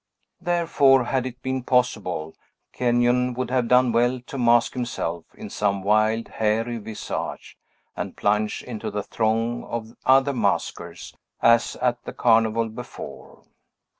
Therefore, had it been possible, Kenyon would have done well to mask himself in some wild, hairy visage, and plunge into the throng of other maskers, as at the Carnival before.